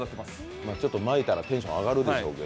巻いたらテンション上がるでしょうけど。